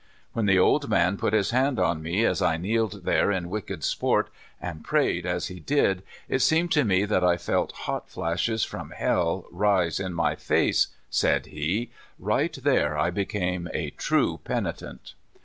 "When the old man put his hand on me as I kneeled there in wicked sport, and prayed as he did, it seemed to me that I felt hot flashes from hell rise in my face," said he; "right there I ])e came a true penitent."